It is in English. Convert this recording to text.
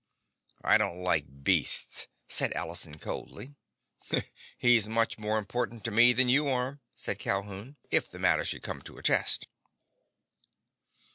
"I don't like beasts," said Allison coldly. "He's much more important to me than you are," said Calhoun, "if the matter should come to a test."